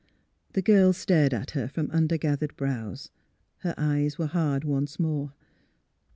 The girl stared at her from under gathered brows. Her eyes were hard once more.